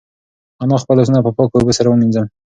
انا خپل لاسونه په پاکو اوبو سره ومینځل.